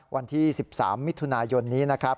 วันที่๑๓มิถุนายนนี้นะครับ